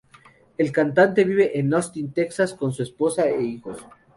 El cantante vive en Austin, Texas con su esposa e hijos.